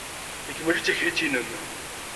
Nekk mačči d taklit-inem.